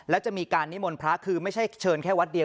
แล้วจะมีการนิมนต์พระคือไม่ใช่เชิญแค่วัดเดียว